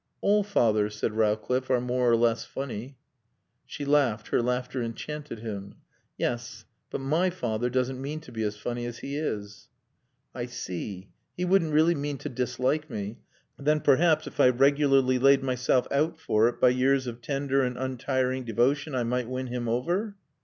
"All fathers," said Rowcliffe, "are more or less funny." She laughed. Her laughter enchanted him. "Yes. But my father doesn't mean to be as funny as he is." "I see. He wouldn't really mean to dislike me. Then, perhaps, if I regularly laid myself out for it, by years of tender and untiring devotion I might win him over?"